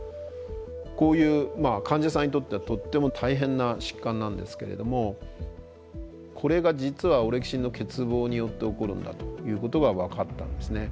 こういう患者さんにとってはとっても大変な疾患なんですけれどもこれが実はオレキシンの欠乏によって起こるんだということが分かったんですね。